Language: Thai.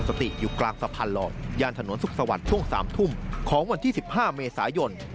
สวรรค์สวรรค์ช่วง๓ทุ่มของวันที่๑๕เมษายน